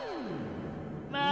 まあ。